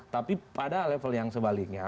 tapi pada level yang sebaliknya